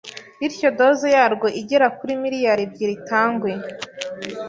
bityo doze yarwo igera kuri miliyari ebyiri itangwe